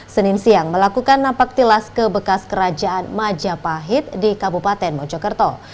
senin siang melakukan napak tilas ke bekas kerajaan majapahit di kabupaten mojokerto